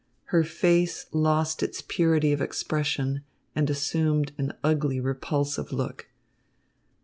Her face lost its purity of expression and assumed an ugly, repulsive look.